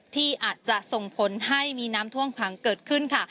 ที่อาจจะส่งผลให้มีน้ำท่วมขังเกิดขึ้นค่ะ